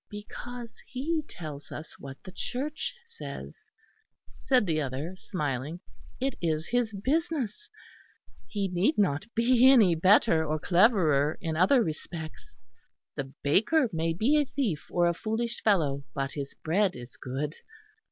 "Because he tells us what the Church says," said the other smiling, "it is his business. He need not be any better or cleverer in other respects. The baker may be a thief or a foolish fellow; but his bread is good."